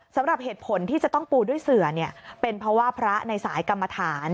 สำหรับเหตุผลที่จะต้องปูด้วยเสือเนี่ยเป็นเพราะว่าพระในสายกรรมฐาน